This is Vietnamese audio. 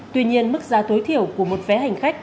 tuy nhiên mức giá tối thiểu của một vé hành khách